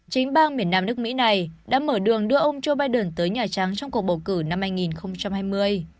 chính bang miền nam nước mỹ này đã mở đường đưa ông joe biden tới nhà trắng trong cuộc bầu cử năm hai nghìn hai mươi